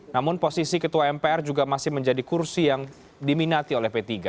namun posisi ketua mpr juga masih menjadi kursi yang diminati oleh p tiga